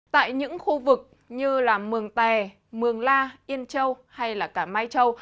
tại những khu vực như mường tè mường la yên châu hay cả mai châu